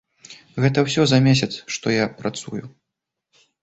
Гэта ўсё за месяц, што я працую.